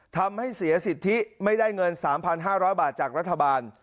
ทำให้เสียสิทธิไม่ได้เงิน๓๕๐๐บาทจากรัฐบาล